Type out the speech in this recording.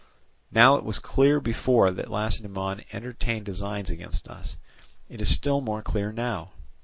Now it was clear before that Lacedaemon entertained designs against us; it is still more clear now.